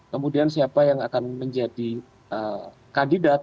kemudian siapa yang akan menjadi kandidat